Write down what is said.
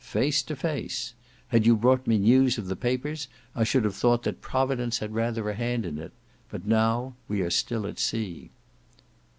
"Face to face. Had you brought me news of the papers, I should have thought that providence had rather a hand in it—but now, we are still at sea."